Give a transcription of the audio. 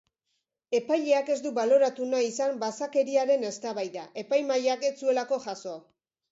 Epaileak ez du baloratu nahi izan basakeriaren eztabaida, epaimahaiak ez zuelako jaso.